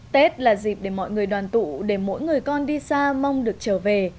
tết là dịp để mọi người đoàn tụ để mỗi người con đi xa mong được trở về